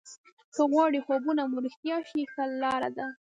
که غواړئ خوبونه مو رښتیا شي ښه لاره داده.